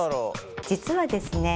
実はですね